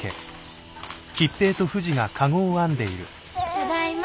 ただいま。